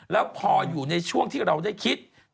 แล้วพออยู่ในช่วงที่เราได้คิด